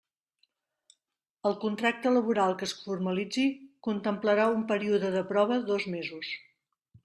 El contracte laboral que es formalitzi contemplarà un període de prova dos mesos.